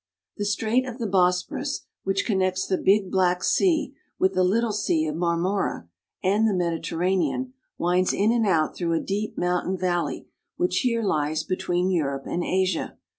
THE strait of the Bosporus, which connects the big Black Sea with the little Sea of Marmora and the Mediterranean, winds in and out through a deep mountain valley which here lies between Europe and Asia.